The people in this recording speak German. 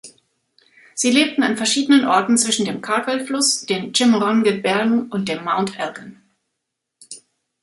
Sie lebten an verschiedenen Orten zwischen dem Kartwel-Fluss, den Chemorongit-Bergen und dem Mount Elgon.